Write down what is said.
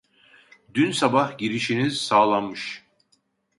Dün sabah girişiniz sağlanmış